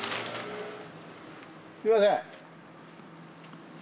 すいません。